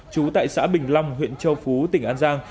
trú tại xã bình long huyện châu phú tỉnh an giang